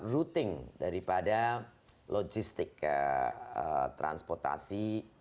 routing daripada logistik transportasi